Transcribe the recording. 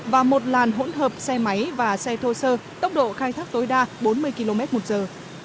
và một làn hỗn hợp xe máy và xe thô sơ tốc độ khai thác tối đa bốn mươi km một giờ